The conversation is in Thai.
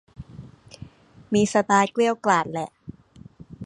มีสไตล์เกรี้ยวกราดแหละ